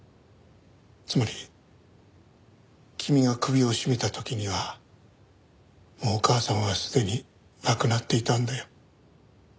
つまり君が首を絞めた時にはもうお母さんはすでに亡くなっていたんだよ。